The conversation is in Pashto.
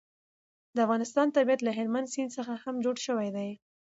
د افغانستان طبیعت له هلمند سیند څخه هم جوړ شوی دی.